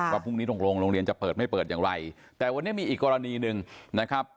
ว่าพรุ่งนี้ตรงโรงโรงเรียนจะเปิดไม่เปิดอย่างไรแต่วันนี้มีอีกกรณีหนึ่งนะครับ